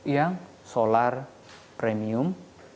yang solar premium